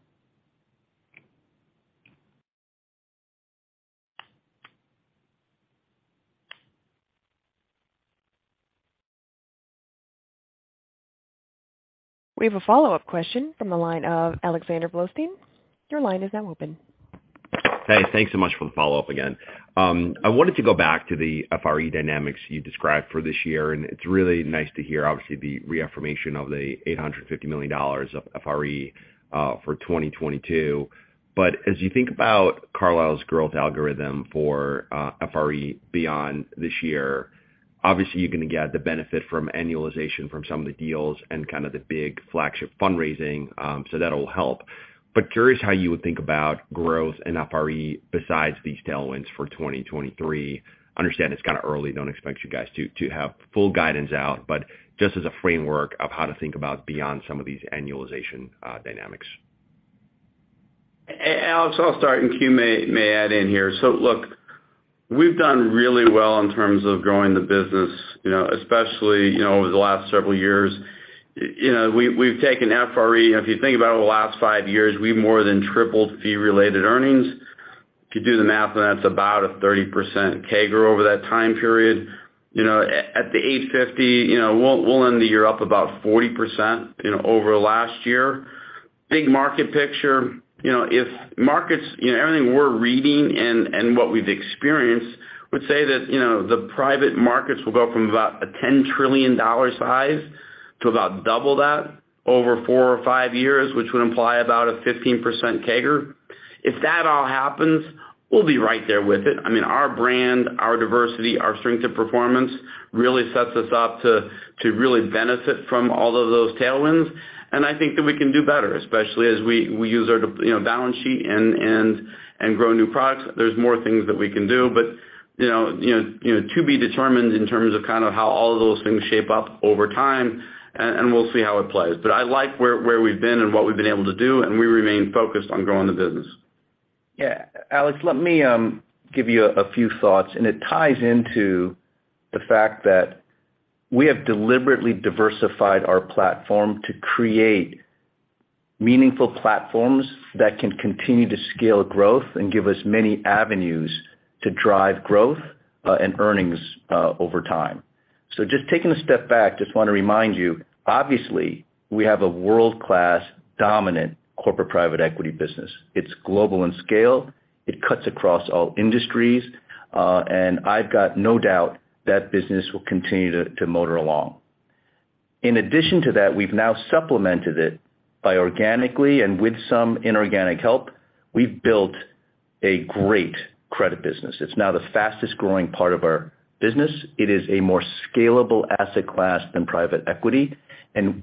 We have a follow-up question from the line of Alexander Blostein. Your line is now open. Hey, thanks so much for the follow-up again. I wanted to go back to the FRE dynamics you described for this year, and it's really nice to hear, obviously, the reaffirmation of the $850 million of FRE for 2022. As you think about Carlyle's growth algorithm for FRE beyond this year, obviously you're gonna get the benefit from annualization from some of the deals and kind of the big flagship fundraising, so that'll help. Curious how you would think about growth and FRE besides these tailwinds for 2023. Understand it's kinda early. Don't expect you guys to have full guidance out, but just as a framework of how to think about beyond some of these annualization dynamics. Alex, I'll start, and Q may add in here. Look, we've done really well in terms of growing the business, you know, especially, you know, over the last several years. You know, we've taken FRE, and if you think about it, over the last 5 years, we've more than tripled fee-related earnings. If you do the math on that, it's about a 30% CAGR over that time period. You know, at the $8.50, you know, we'll end the year up about 40%, you know, over last year. Big market picture, you know, if markets, you know, everything we're reading and what we've experienced would say that, you know, the private markets will go from about a $10 trillion size to about double that over 4 or 5 years, which would imply about a 15% CAGR. If that all happens, we'll be right there with it. I mean, our brand, our diversity, our strength of performance really sets us up to really benefit from all of those tailwinds. I think that we can do better, especially as we use our you know balance sheet and grow new products. There's more things that we can do. You know, to be determined in terms of kind of how all of those things shape up over time and we'll see how it plays. I like where we've been and what we've been able to do, and we remain focused on growing the business. Yeah. Alex, let me give you a few thoughts, and it ties into the fact that we have deliberately diversified our platform to create meaningful platforms that can continue to scale growth and give us many avenues to drive growth and earnings over time. Just taking a step back, just wanna remind you, obviously, we have a world-class dominant corporate private equity business. It's global in scale, it cuts across all industries, and I've got no doubt that business will continue to motor along. In addition to that, we've now supplemented it by organically and with some inorganic help, we've built a great credit business. It's now the fastest growing part of our business. It is a more scalable asset class than private equity.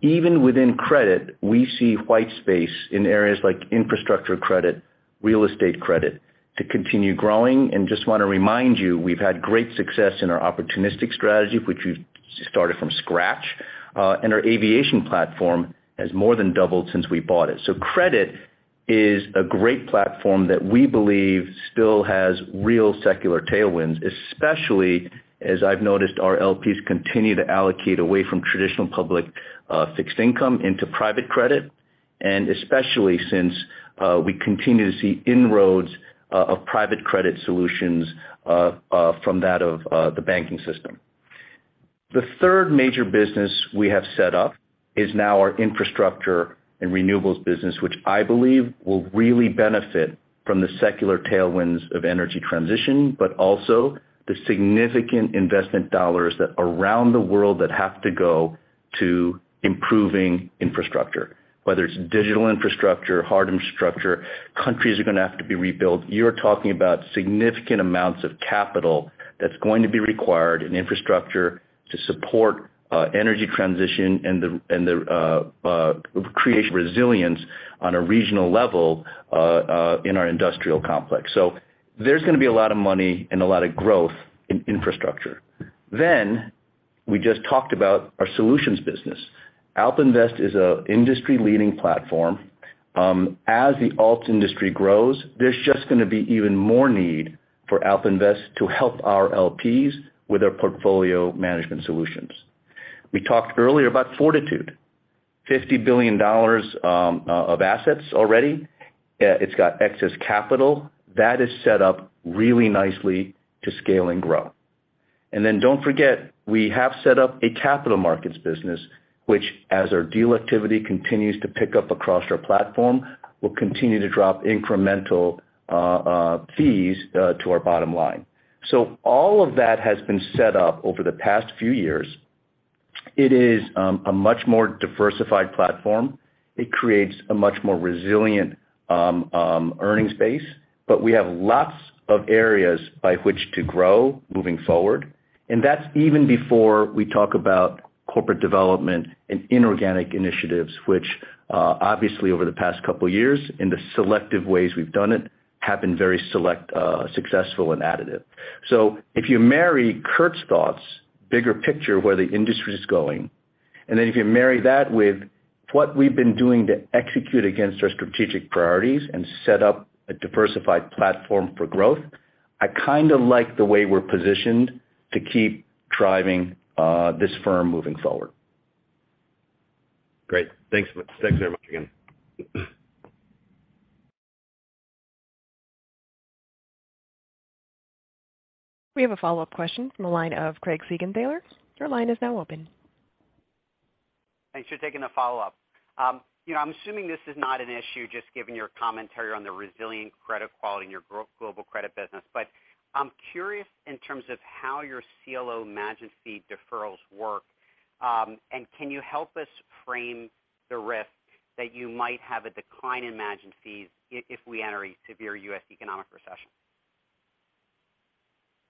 Even within credit, we see white space in areas like infrastructure credit, real estate credit. To continue growing and just wanna remind you, we've had great success in our opportunistic strategy, which we've started from scratch. And our aviation platform has more than doubled since we bought it. Credit is a great platform that we believe still has real secular tailwinds, especially as I've noticed our LPs continue to allocate away from traditional public, fixed income into private credit, and especially since we continue to see inroads of private credit solutions from that of the banking system. The third major business we have set up is now our infrastructure and renewables business, which I believe will really benefit from the secular tailwinds of energy transition, but also the significant investment dollars that around the world that have to go to improving infrastructure. Whether it's digital infrastructure, hard infrastructure, countries are gonna have to be rebuilt. You're talking about significant amounts of capital that's going to be required in infrastructure to support energy transition and the creating resilience on a regional level in our industrial complex. There's gonna be a lot of money and a lot of growth in infrastructure. We just talked about our solutions business. AlpInvest is an industry-leading platform. As the alt industry grows, there's just gonna be even more need for AlpInvest to help our LPs with their portfolio management solutions. We talked earlier about Fortitude. $50 billion of assets already. It's got excess capital. That is set up really nicely to scale and grow. Don't forget, we have set up a capital markets business, which as our deal activity continues to pick up across our platform, will continue to drop incremental fees to our bottom line. All of that has been set up over the past few years. It is a much more diversified platform. It creates a much more resilient earnings base, but we have lots of areas by which to grow moving forward. That's even before we talk about corporate development and inorganic initiatives, which, obviously over the past couple of years, in the selective ways we've done it, have been very successful and additive. If you marry Curt's thoughts, bigger picture where the industry is going, and then if you marry that with what we've been doing to execute against our strategic priorities and set up a diversified platform for growth, I kinda like the way we're positioned to keep driving this firm moving forward. Great. Thanks so much. Thanks very much again. We have a follow-up question from the line of Craig Siegenthaler. Your line is now open. Thanks for taking the follow-up. You know, I'm assuming this is not an issue just given your commentary on the resilient credit quality in your global credit business. I'm curious in terms of how your CLO managed fee deferrals work, and can you help us frame the risk that you might have a decline in managed fees if we enter a severe U.S. economic recession?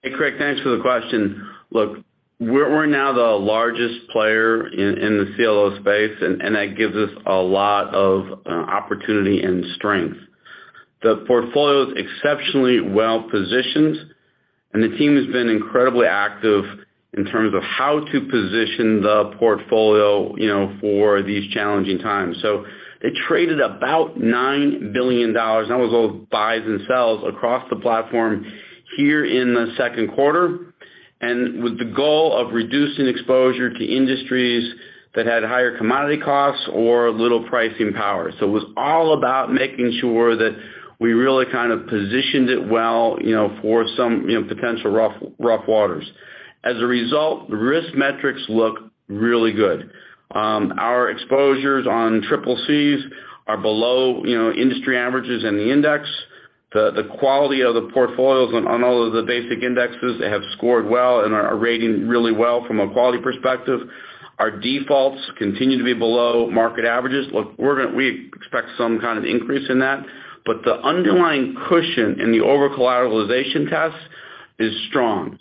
Hey, Craig, thanks for the question. Look, we're now the largest player in the CLO space, and that gives us a lot of opportunity and strength. The portfolio is exceptionally well-positioned, and the team has been incredibly active in terms of how to position the portfolio, you know, for these challenging times. It traded about $9 billion. That was all buys and sells across the platform here in the second quarter. With the goal of reducing exposure to industries that had higher commodity costs or little pricing power. It was all about making sure that we really kind of positioned it well, you know, for some potential rough waters. As a result, the risk metrics look really good. Our exposures on Triple Cs are below, you know, industry averages in the index. The quality of the portfolios on all of the basic indexes, they have scored well and are rating really well from a quality perspective. Our defaults continue to be below market averages. Look, we expect some kind of increase in that, but the underlying cushion in the over-collateralization test is strong.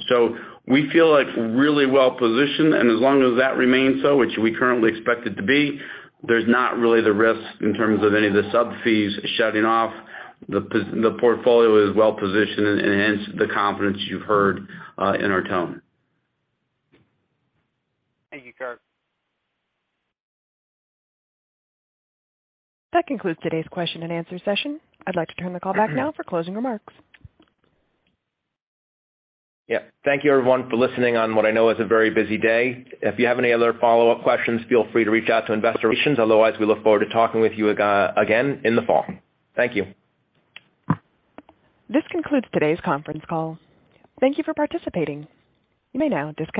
We feel like we're really well-positioned, and as long as that remains so, which we currently expect it to be, there's not really the risk in terms of any of the sub-fees shutting off. The portfolio is well-positioned and hence the confidence you've heard in our tone. Thank you, Curt. That concludes today's question and answer session. I'd like to turn the call back now for closing remarks. Yeah. Thank you, everyone, for listening on what I know is a very busy day. If you have any other follow-up questions, feel free to reach out to Investor Relations. Otherwise, we look forward to talking with you again in the fall. Thank you. This concludes today's conference call. Thank you for participating. You may now disconnect.